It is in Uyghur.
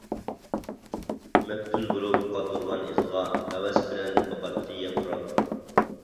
مەپتۇن بولۇپ قالدۇرغان ئىزغا، ھەۋەس بىلەن باقاتتى ياپراق.